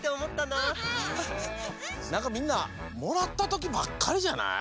なんかみんなもらったときばっかりじゃない？